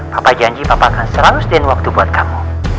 papa janji papa akan serahus dan waktu buat kamu